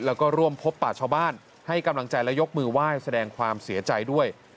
แล้วก็ร่วมพบป่าชาวบ้านให้กำลังใจและยกมือไหว้แสดงความเสียใจด้วย